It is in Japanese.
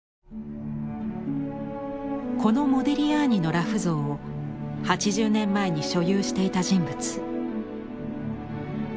このモディリアーニの裸婦像を８０年前に所有していた人物。